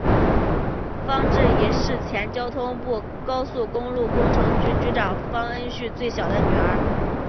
方智怡是前交通部高速公路工程局局长方恩绪的最小的女儿。